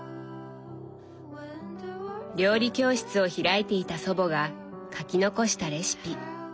料理教室を開いていた祖母が書き残したレシピ。